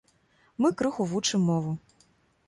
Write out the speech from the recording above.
Мы крыху вучым мову.